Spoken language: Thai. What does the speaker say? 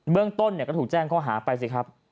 เรื่องต้นก็ถูกแจ้งข้อหาไปสิครับ